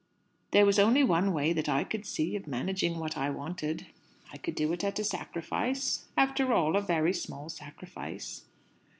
There was only one way, that I could see, of managing what I wanted. I could do it at a sacrifice after all, a very small sacrifice."